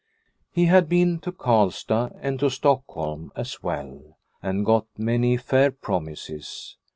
He had been to Karlstad, and to Stockholm as well, and got many fair promises.